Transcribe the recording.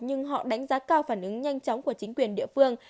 nhưng họ đánh giá cao phản ứng nhanh chóng của chính quyền địa phương